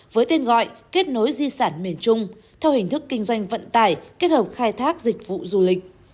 với tên gọi kết nối di sản miền trung theo hình thức kinh doanh vận tải kết hợp khai thác dịch vụ du lịch